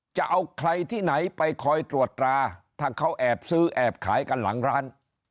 จะเอาใครที่ไหนไปคอยตรวจตราถ้าเขาแอบซื้อแอบขายกันหลังร้าน